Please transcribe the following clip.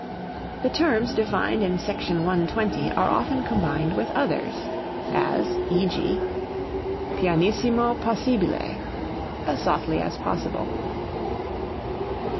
The terms defined in Sec. 120 are often combined with others, as e.g., Pianissimo possibile as softly as possible.